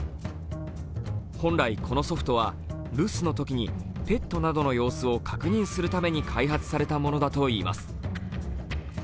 本来このソフトは留守の時にペットなどの様子を確認するために開発されたものだといいます。